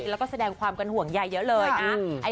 แล้วก็แสดงความกันห่วงใยเยอะเลยนะ